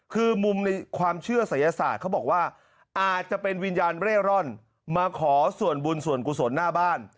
คือมุมในความเชื่อศัยศาสตร์เขาบอกว่าอาจจะเป็นวิญญาณเร่ร่อนมาขอส่วนบุญส่วนกุศลหน้าบ้าน